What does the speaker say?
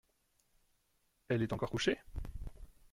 Elle est encore couchée ?…